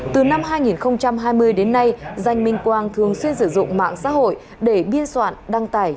từ năm hai nghìn hai mươi đến nay danh minh quang thường xuyên sử dụng mạng xã hội để biên soạn đăng tải